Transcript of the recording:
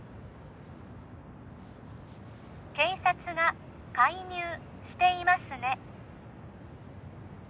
警察が介入していますね